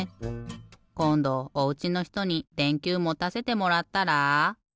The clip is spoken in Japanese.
こんどおうちのひとにでんきゅうもたせてもらったら？